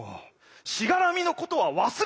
しがらみのことは忘れ